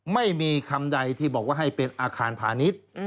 ไม่มีคำใดที่บอกว่าให้เป็นอาคารพาณิชย์